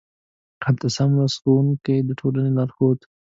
اتلسم لوست: ښوونکی د ټولنې لارښود